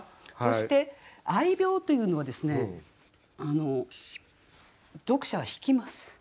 そして「愛猫」というのはですね読者は引きます。